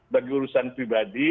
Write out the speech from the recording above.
bagi urusan pribadi